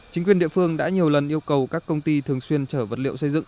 chính quyền địa phương đã nhiều lần yêu cầu các công ty thường xuyên chở vật liệu xây dựng